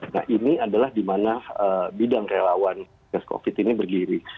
nah ini adalah di mana bidang relawan covid ini berdiri